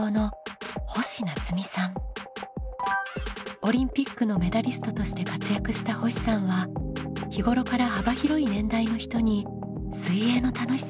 オリンピックのメダリストとして活躍した星さんは日頃から幅広い年代の人に水泳の楽しさを教えています。